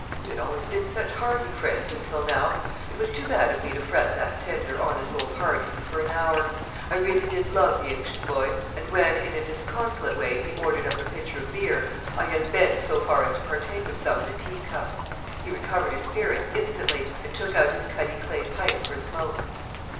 'We had always been such hearty friends until now. It was too bad of me to fret that tender, honest old heart even for an hour. I really did love the ancient boy, and when, in a disconsolate way, he ordered up a pitcher of beer, I unbent so far as to partake of some in a teacup. He recovered his spirits instantly, and took out his cuddy clay pipe for a smoke.